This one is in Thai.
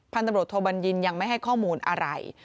ตำรวจโทบัญญินยังไม่ให้ข้อมูลอะไร